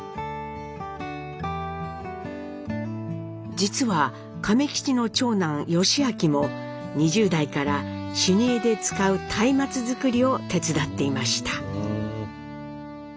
実は亀吉の長男・義昭も２０代から修二会で使うたいまつ作りを手伝っていました。